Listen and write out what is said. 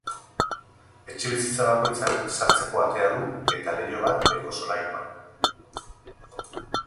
Etxebizitza bakoitzak sartzeko atea du eta leiho bat beheko solairuan.